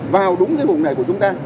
vào đúng cái vùng này của chúng ta